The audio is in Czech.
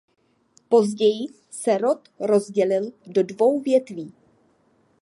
Později se rod rozdělil do dvou větví.